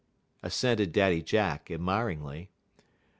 assented Daddy Jack, admiringly.